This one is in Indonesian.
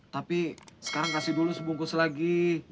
tapi sekarang kasih dulu sebungkus lagi